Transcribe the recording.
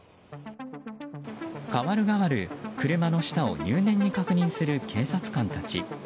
代わる代わる車の下を入念に確認する警察官たち。